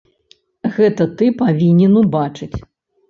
Гэта ты павінен убачыць.